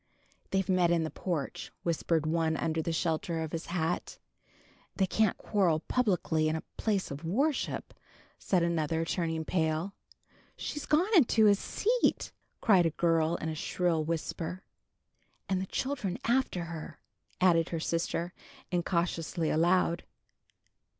"They've met in the porch," whispered one under the shelter of his hat. "They can't quarrel publicly in a place of worship," said another, turning pale. "She's gone into his seat," cried a girl in a shrill whisper. "And the children after her," added her sister, incautiously aloud.